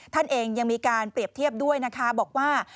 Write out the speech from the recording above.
ท่านเองยังมีการเปรียบเทียบด้วยนะคะบอกว่า